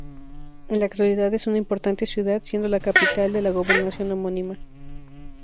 En la actualidad es una importante ciudad, siendo la capital de la gobernación homónima.